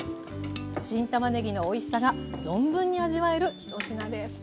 新たまねぎのおいしさが存分に味わえるひと品です。